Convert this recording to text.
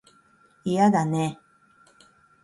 嫌だね